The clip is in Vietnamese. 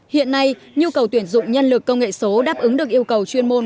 hiện nay nhu cầu tuyển dụng nhân lực công nghệ số đáp ứng được yêu cầu chuyên môn